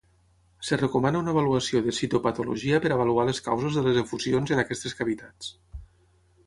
Es recomana una avaluació de citopatologia per avaluar les causes de les efusions en aquestes cavitats.